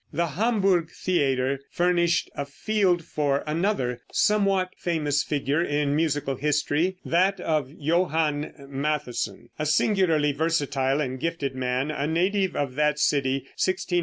The Hamburg theater furnished a field for another somewhat famous figure in musical history, that of Johann Mattheson, a singularly versatile and gifted man, a native of that city (1681 1764).